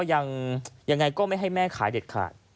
ยังไงก็ไม่ให้แม่ขายเด็ดขาด